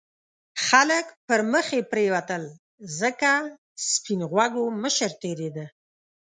خلک پرمخې پرېوتل ځکه سپین غوږو مشر تېرېده.